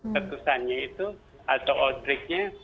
letusannya itu atau outdrikenya